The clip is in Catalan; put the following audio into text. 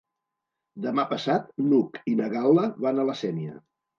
Demà passat n'Hug i na Gal·la van a la Sénia.